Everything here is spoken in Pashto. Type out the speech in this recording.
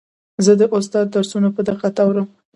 زه د استاد درسونه په دقت اورم.